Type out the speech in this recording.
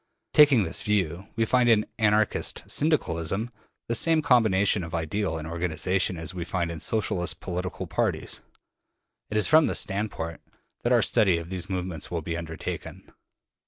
Taking this view, we find in Anarchist Syndicalism the same combination of ideal and organization as we find in Socialist political parties. It is from this standpoint that our study of these movements will be undertaken.